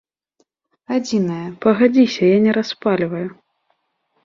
Адзінае, пагадзіся, я не распальваю.